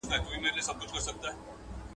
چي گړنگ مي څڅېده، چي خداى را کړه ستا ئې څه.